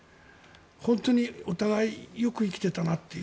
本当にお互いよく生きていたなっていう。